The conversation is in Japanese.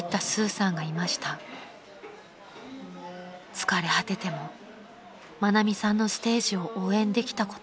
［疲れ果てても愛美さんのステージを応援できたこと］